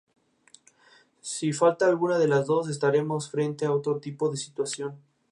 Gazprom efectúa en el territorio de la localidad extracciones de gas natural.